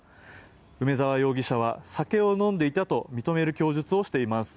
梅沢容疑者は酒を飲んでいたと認める供述をしています。